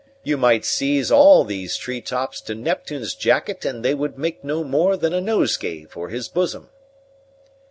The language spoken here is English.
You might seize all these tree tops to Neptune's jacket, and they would make no more than a nosegay for his bosom."